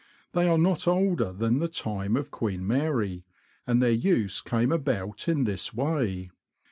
They are not older than the time of Queen Mary, and their use came about in this way.